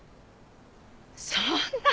そんな！